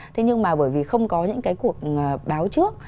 thế nhưng mà bởi vì không có những cái cuộc báo trước